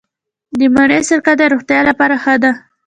د مڼې سرکه د روغتیا لپاره ښه ده.